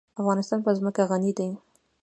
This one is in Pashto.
افغانستان په ځمکه غني دی.